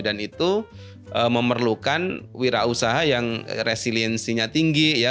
dan itu memerlukan wirausaha yang resiliensinya tinggi ya